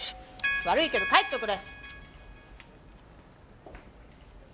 悪いけど帰っとくれ！